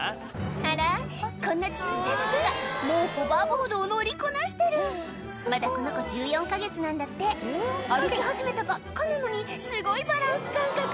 あらこんな小っちゃな子がもうホバーボードを乗りこなしてるまだこの子１４か月なんだって歩き始めたばっかなのにすごいバランス感覚